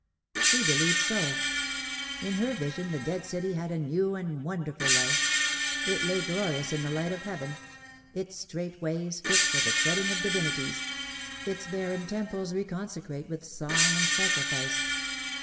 She believed so. In her vision the dead city had a new and wonderful life; it lay glorious in the light of heaven, its strait ways fit for the treading of divinities, its barren temples reconsecrate with song and sacrifice.